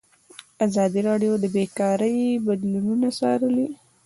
ازادي راډیو د بیکاري بدلونونه څارلي.